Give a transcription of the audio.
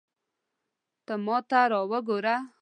ته ماته را وګوره